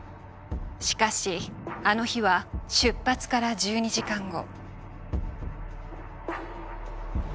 しかしあの日は出発から１２時間後。